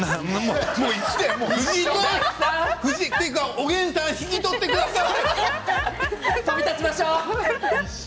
おげんさん引き取ってください。